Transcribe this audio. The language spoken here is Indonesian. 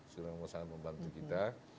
sudah sangat membantu kita